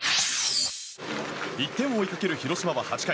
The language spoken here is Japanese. １点を追いかける広島は８回。